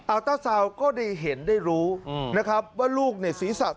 อัลท้าเซาก็ได้เห็นได้รู้นะครับว่าลูกศีรษะโตผิดปกติ